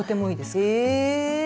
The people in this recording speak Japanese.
へえ。